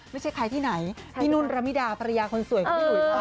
ไม่ใช่ใครที่ไหนพี่นุ่นระมิดาภรรยาคนสวยของพี่อุ๋ย